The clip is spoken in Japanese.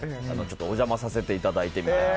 お邪魔させていただいて。